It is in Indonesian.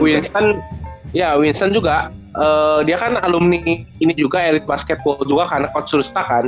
winston ya winston juga dia kan alumni ini juga elite basketball juga karena coach surusta kan